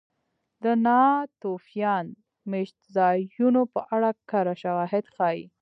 د ناتوفیان مېشتځایونو په اړه کره شواهد ښيي